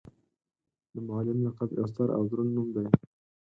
د معلم لقب یو ستر او دروند نوم دی.